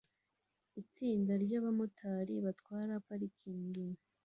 Itsinda ryabamotari batwara parikingi